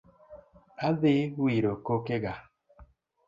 Adhi wiro kokega